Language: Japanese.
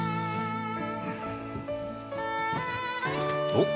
おっ。